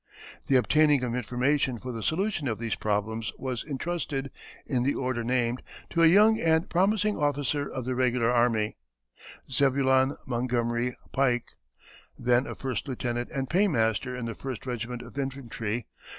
The obtaining of information for the solution of these problems was intrusted, in the order named, to a young and promising officer of the regular army, Zebulon Montgomery Pike, then a first lieutenant and paymaster in the First regiment of Infantry.